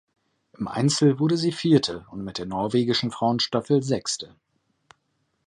Im Einzel wurde sie Vierte und mit der norwegischen Frauenstaffel Sechste.